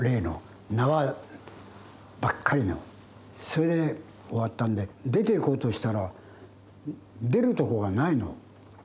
それで終わったんで出ていこうとしたら出るとこがないの。